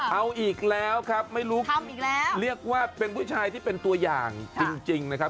เอาอีกแล้วครับไม่รู้ทำอีกแล้วเรียกว่าเป็นผู้ชายที่เป็นตัวอย่างจริงนะครับ